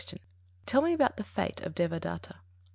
_Tell me about the fate of Devadatta?